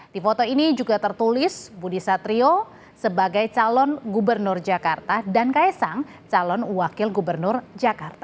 di foto ini juga tertulis budi satrio sebagai calon gubernur jakarta dan kaisang calon wakil gubernur jakarta